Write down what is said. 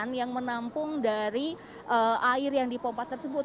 ini adalah bak penampung dari air yang dipompa tersebut